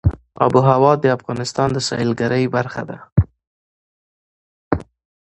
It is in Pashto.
آب وهوا د افغانستان د سیلګرۍ برخه ده.